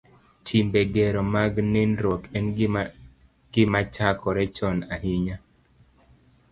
Timbe gero mag nindruok en gima chakore chon ahinya